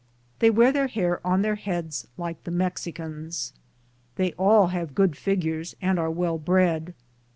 They wear the hair on their heads like the Mexicans. They all have good figures, and are well bred.